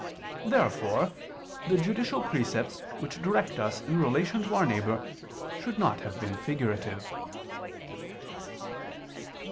Therefore the judicial precepts which direct us in relation to our neighbor should not have been figurative.